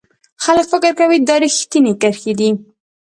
خلک فکر کوي دا ریښتینې کرښې دي.